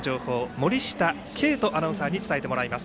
森下桂人アナウンサーに伝えてもらいます。